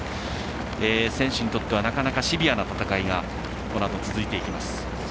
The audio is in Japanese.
選手にとってはなかなか、シビアな戦いがこのあと、続いていきます。